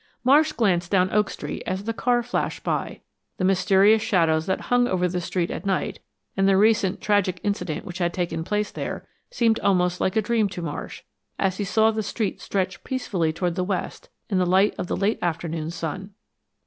Marsh glanced down Oak Street as the car flashed by. The mysterious shadows that hung over the street at night, and the recent tragic incident which had taken place there, seemed almost like a dream to Marsh, as he saw the street stretch peacefully toward the west in the light of the late afternoon sun.